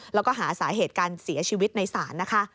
แล้วก็หาสาเหตุการเสียชีวิตในศาลนะคะ